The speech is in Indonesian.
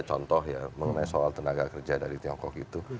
contoh ya mengenai soal tenaga kerja dari tiongkok itu